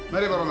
mari pak rangga